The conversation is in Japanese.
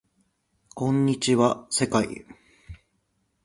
こんにちは世界